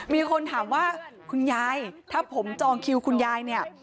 มีคนถามว่าคุณยายถ้าผมจองคิวคุณยายเนี่ย